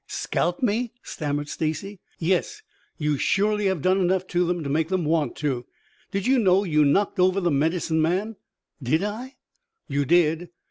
"Sea scalp me?" stammered Stacy. "Yes. You surely have done enough to them to make them want to. Did you know you knocked over the Medicine Man?" "Did I?" "You did."